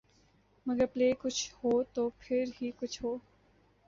مگر پلے کچھ ہو تو پھر ہی کچھ ہو۔